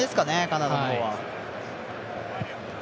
カナダのほうは。